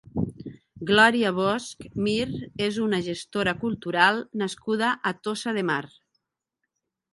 Gloria Bosch Mir és una gestora cultural nascuda a Tossa de Mar.